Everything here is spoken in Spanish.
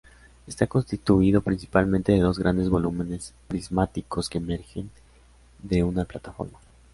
Está constituido, principalmente, de dos grandes volúmenes prismáticos que emergen de una plataforma.